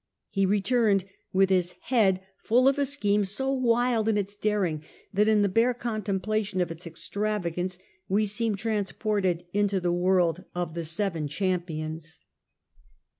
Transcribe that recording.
He returned with his head full of a scheme so wild in its daring that in the bare contemplation of its extravagance we seem transported into the world of the Seven 20 SIR FRANCIS DRAKE chap. Champions.